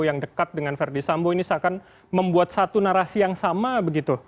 yang dekat dengan verdi sambo ini seakan membuat satu narasi yang sama begitu